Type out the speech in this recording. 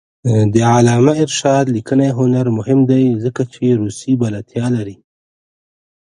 د علامه رشاد لیکنی هنر مهم دی ځکه چې روسي بلدتیا لري.